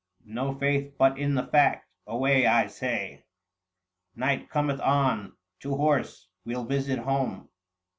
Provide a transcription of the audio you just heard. No faith but in the fact ; away, I say ! Night cometh on — to horse, we'll visit home."